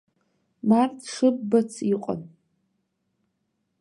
Март шыббац иҟан.